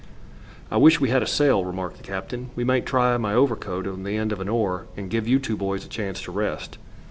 "I wish we had a sail," remarked the captain. "We might try my overcoat on the end of an oar and give you two boys a chance to rest."